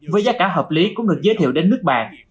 với giá cả hợp lý cũng được giới thiệu đến nước bạn